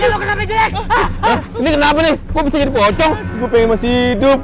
ini kenapa nih kok bisa jadi pocong gue pengen masih hidup